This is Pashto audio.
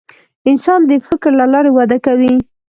انسان د فکر له لارې وده کوي.